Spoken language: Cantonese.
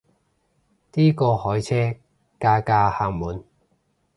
啲過海車架架客滿